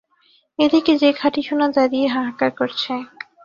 এ দিকে যে খাঁটি সোনা দাঁড়িয়ে হাহাকার করছে।